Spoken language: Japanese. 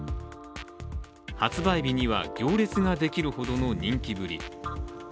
発売日には、行列ができるほどの人気ぶり。